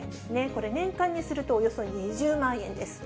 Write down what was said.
これ、年間にするとおよそ２０万円です。